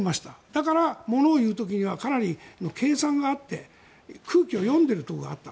だからものを言う時にはかなり計算があって空気を読んでいるところがあった。